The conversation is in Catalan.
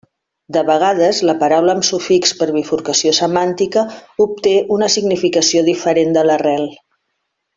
De vegades la paraula amb sufix per bifurcació semàntica obté una significació diferent de l'arrel.